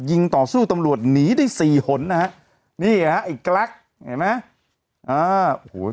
ต่อสู้ตำรวจหนีได้สี่หนนะฮะนี่ฮะไอ้กลั๊กเห็นไหมอ่าโอ้โห